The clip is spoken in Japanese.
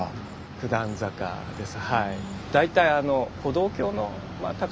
九段坂です。